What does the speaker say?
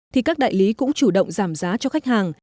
thì các đại lý cũng chủ động giảm giá cho khách hàng